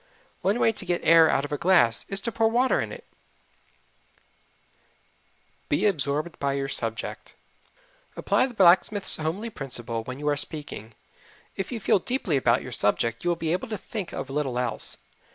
One way to get air out of a glass is to pour in water. Be Absorbed by Your Subject Apply the blacksmith's homely principle when you are speaking. If you feel deeply about your subject you will be able to think of little else.